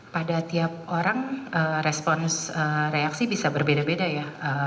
pada tiap orang respons reaksi bisa berbeda beda ya